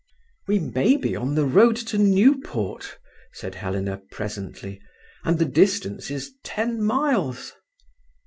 "We may be on the road to Newport," said Helena presently, "and the distance is ten miles."